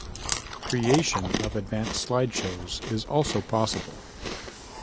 Creation of advanced slide shows is also possible.